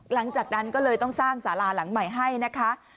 หลังจากนั้นก็เลยต้องสร้างสาราหลังใหม่ให้นะคะ